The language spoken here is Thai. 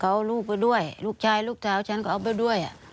เขาเอาลูกไปด้วยลูกชายลูกชายฉันก็เอาไปด้วย